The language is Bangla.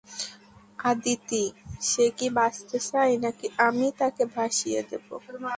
আদিতি, সে কি বাঁচতে চায় নাকি আমি তাকে ভাসিয়ে দেব?